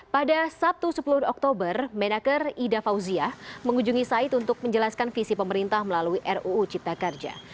pada sabtu sepuluh oktober menaker ida fauzia mengunjungi said untuk menjelaskan visi pemerintah melalui ruu cipta kerja